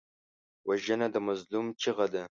وژنه د مظلوم چیغه ده